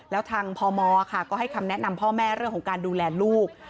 แล้วทางพมก็ให้คำแนะนำพ่อแม่เรื่องของการดูแลลูก